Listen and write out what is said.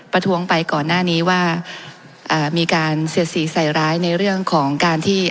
ประท้วงไปก่อนหน้านี้ว่าอ่ามีการเสียดสีใส่ร้ายในเรื่องของการที่